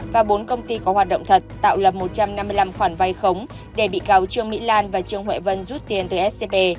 và bốn công ty có hoạt động thật tạo lập một trăm năm mươi năm khoản vay khống để bị cáo trương mỹ lan và trương huệ vân rút tiền từ scb